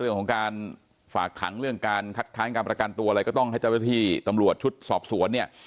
เรื่องของการฝากขังเรื่องการคัดค้านการประกันตัวอะไรก็ต้องให้เจ้าหน้าที่ตำรวจชุดสอบสวนเนี่ย